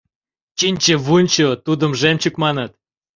— Чинче-вунчо, тудым жемчуг маныт.